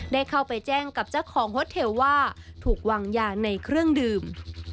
ได้เข้าไปแจ้งกับเจ้าของโฮสเทลว่าถูกวางยาในเครื่องดื่ม